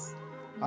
あ！